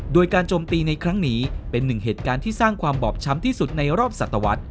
โดยการโจมตีในครั้งนี้เป็นหนึ่งเหตุการณ์ที่สร้างความบอบช้ำที่สุดในรอบศัตวรรษ